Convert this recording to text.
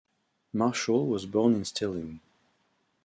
Marshall was born in Stirling.